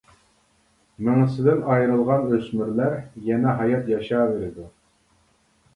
مېڭىسىدىن ئايرىلغان ئۆسمۈرلەر يەنە ھايات ياشاۋېرىدۇ.